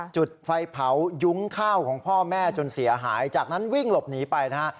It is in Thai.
จุดไฟเผายุ้งข้าวของพ่อแม่จนเสียหายจากนั้นวิ่งหลบหนีไปนะฮะ